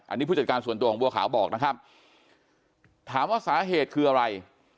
อันนี้ผู้จัดการส่วนตัวของบัวขาวบอกนะครับถามว่าสาเหตุคืออะไร